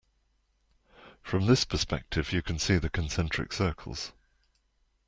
From this perspective you can see the concentric circles.